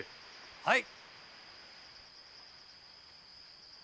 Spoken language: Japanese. はい。